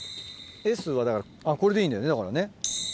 Ｓはだからこれでいいんだよねだからね。